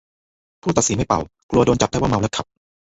ผู้ตัดสินไม่เป่า กลัวโดนจับได้ว่าเมาแล้วขับ